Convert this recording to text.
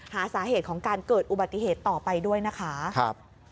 หาสาเหตุของการเกิดอุบัติเหตุต่อไปด้วยนะคะครับ